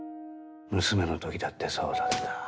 娘の時だってそうだった。